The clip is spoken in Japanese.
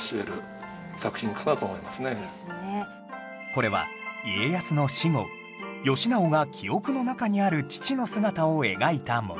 これは家康の死後義直が記憶の中にある父の姿を描いたもの